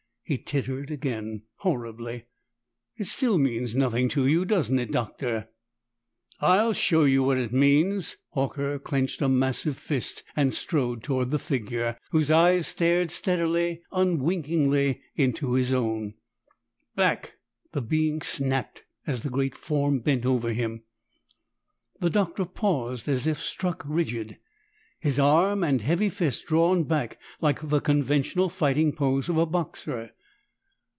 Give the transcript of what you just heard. He tittered again, horribly. "It still means nothing to you, doesn't it, Doctor?" "I'll show you what it means!" Horker clenched a massive fist and strode toward the figure, whose eyes stared, steadily, unwinkingly into his own. "Back!" the being snapped as the great form bent over him. The Doctor paused as if struck rigid, his arm and heavy fist drawn back like the conventional fighting pose of a boxer.